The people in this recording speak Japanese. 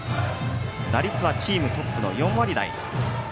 打率はチームトップの４割台。